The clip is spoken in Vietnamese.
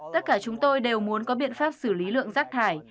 tất cả chúng tôi đều muốn có biện pháp xử lý lượng rác thải